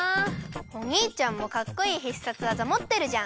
おにいちゃんもかっこいい必殺技もってるじゃん。